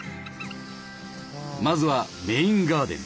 まずはメインガーデン。